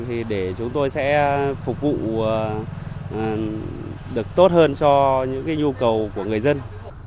thì để chúng tôi sẽ phục vụ được tốt hơn cho những cái nhu cầu của người dân